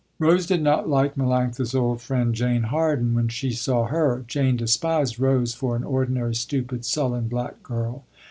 Rose did not like Melanctha's old friend Jane Harden when she saw her. Jane despised Rose for an ordinary, stupid, sullen black girl.